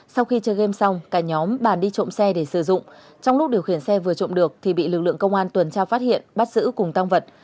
sau khi chơi game xong cả nhóm bàn đi trộm xe để sử dụng trong lúc điều khiển xe vừa trộm được thì bị lực lượng công an tuần tra phát hiện bắt giữ cùng tăng vật